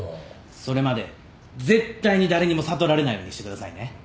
それまで絶対に誰にも悟られないようにしてくださいね。